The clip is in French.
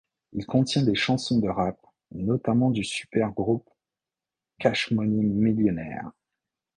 Il contient des chansons de rap, notamment du supergroupe Cash Money Millionaires.